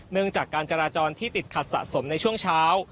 เนื่องจากการจราจรที่ติดขัดสะสมในช่วงเช้า